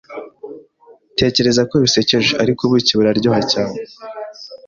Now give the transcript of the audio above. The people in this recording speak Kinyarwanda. Tekereza ko bisekeje, ariko ubuki buraryohacyane